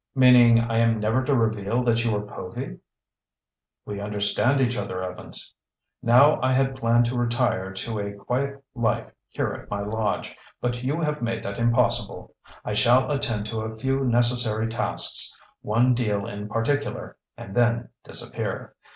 "Meaning I am never to reveal that you are Povy?" "We understand each other, Evans. Now I had planned to retire to a quiet life here at my lodge, but you have made that impossible. I shall attend to a few necessary tasks, one deal in particular, and then disappear.